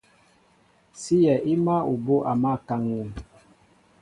Síyɛ í máál ubú' a mǎl kaŋ̀ŋi.